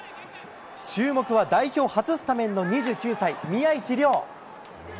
注目は代表初スタメンの２９歳、宮市亮。